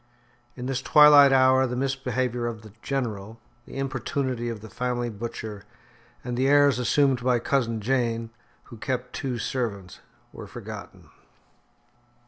In this twilight hour the misbehaviour of the "General," the importunity of the family butcher, and the airs assumed by cousin Jane, who kept two servants, were forgotten.